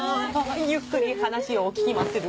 ゆっくり話を聞きまする。